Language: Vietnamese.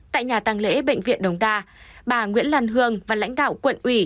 tại nhà tăng lễ bệnh viện đồng đa bà nguyễn lan hương và lãnh đạo quận ủy